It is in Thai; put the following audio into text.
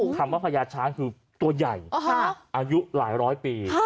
คำว่าพญาช้างคือตัวใหญ่อายุหลายร้อยปี